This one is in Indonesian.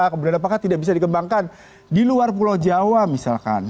kemudian apakah tidak bisa dikembangkan di luar pulau jawa misalkan